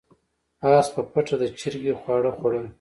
اس په پټه د چرګې خواړه خوړل.